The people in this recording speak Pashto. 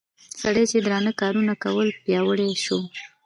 سړي چې درانه کارونه کول پياوړى شو